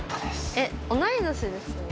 えっ同い年ですよね